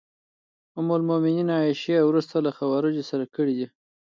ام المومنین عایشې او وروسته له خوارجو سره کړي دي.